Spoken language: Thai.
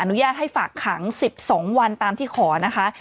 อุญาตให้ฝากขัง๑๒วันตามที่ขอนะคะ